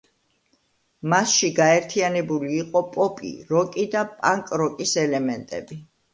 მასში გაერთიანებული იყო პოპი, როკი და პანკ-როკის ელემენტები.